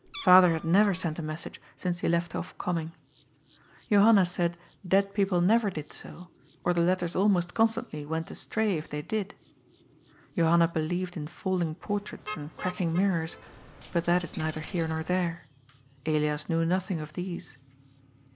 Father had never sent a message since he left oft coming. Johanna said dead people never did so, or the let ters almost constantly went astray if they did. Johanna believed in falling portraits and cracking mirrors, but that is neither here nor there. Elias knew nothing of these.